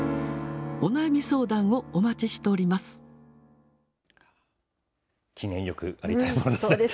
お悩み相談をお待ちしております。